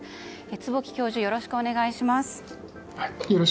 坪木教授、よろしくお願いします。